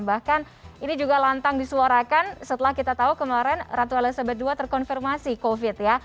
bahkan ini juga lantang disuarakan setelah kita tahu kemarin ratu elizabeth ii terkonfirmasi covid ya